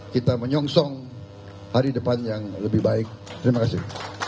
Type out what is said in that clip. kita menyongsong hari depan yang lebih baik terima kasih